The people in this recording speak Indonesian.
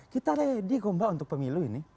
kita ready kok mbak untuk pemilu ini